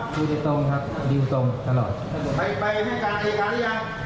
คุณจะตรงครับดิวตรงตลอดใครแล้วครับอ่าร้านร้านเจ็ดครับร้านเจ็ดครับผม